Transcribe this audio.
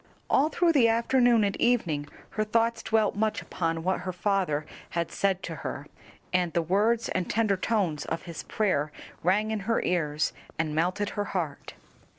All through the afternoon and evening her thoughts dwelt much upon what her father had said to her, and the words and tender tones of his prayer rang in her ears and melted her heart.